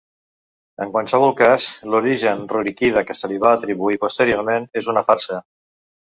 En qualsevol cas, l'origen ruríkida que se li va atribuir posteriorment és una farsa.